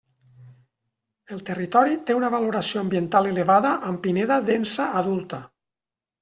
El territori té una valoració ambiental elevada amb pineda densa adulta.